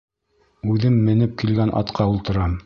Үҙем менеп килгән атҡа ултырам.